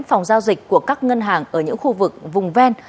phòng giao dịch của các ngân hàng ở những khu vực vùng ven